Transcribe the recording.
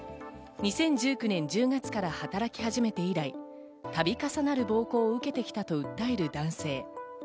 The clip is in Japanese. ２０１９年１０月から働き始めて以来、度重なる暴行を受けてきたと訴える男性。